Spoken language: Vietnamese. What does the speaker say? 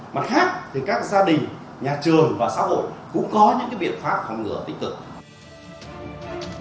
mặt khác thì các gia đình nhà trường và xã hội cũng có những biện pháp phòng ngừa tích cực